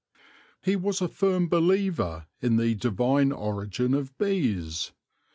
He was a firm believer in the Divine origin of bees.